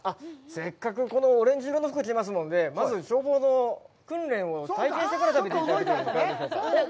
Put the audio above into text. せっかくこのオレンジ色の服を着てますので、まず消防の訓練を体験してから食べてください。